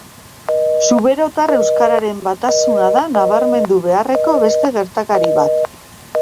Zuberotar euskararen batasuna da nabarmendu beharreko beste gertakari bat.